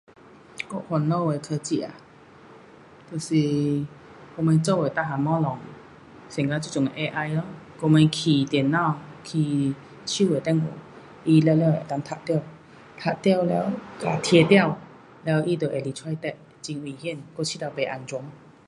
我烦恼的科技啊，就是我们做的全部东西像到这阵 AI 咯什么去电脑，去手的电话，他全部能够读到，读到了，听了，了他就会来找你，很危险，我觉得不安全。